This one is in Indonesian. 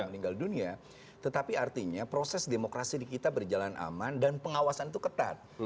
meninggal dunia tetapi artinya proses demokrasi di kita berjalan aman dan pengawasan itu ketat